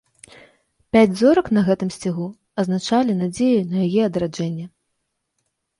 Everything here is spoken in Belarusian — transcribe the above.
Пяць зорак на гэтым сцягу азначалі надзею на яе адраджэнне.